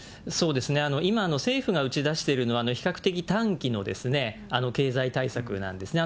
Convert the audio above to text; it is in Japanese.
今、政府が打ち出しているのは、比較的短期の経済対策なんですね。